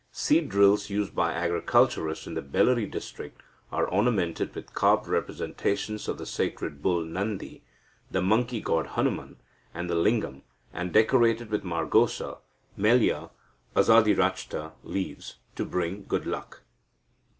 Seed drills used by agriculturists in the Bellary district are ornamented with carved representations of the sacred bull Nandi, the monkey god Hanuman, and the lingam, and decorated with margosa (Melia Azadirachta) leaves, to bring good luck.